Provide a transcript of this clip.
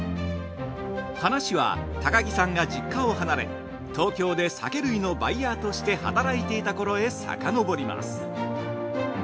話は、高木さんが実家を離れ東京で酒類のバイヤーとして働いていたころへさかのぼります。